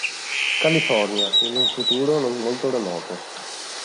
California, in un futuro non molto remoto.